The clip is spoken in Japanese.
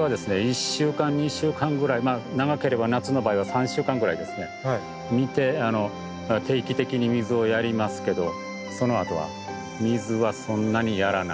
１週間２週間ぐらい長ければ夏の場合は３週間ぐらい見て定期的に水をやりますけどそのあとは水はそんなにやらない。